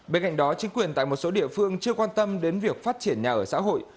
bên cạnh đó chính quyền tại một số địa phương chưa quan tâm đến việc phát triển nhà ở xã hội